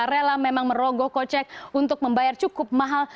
rela memang merogoh kocek untuk membayar cukup mahal